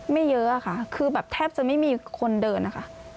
ไม่เยอะค่ะคือแบบแทบจะไม่มีคนเดินนะคะ